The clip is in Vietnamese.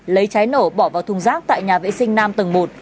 lấy trái nổ bỏ vào thùng rác tại nhà vệ sinh nam tầng một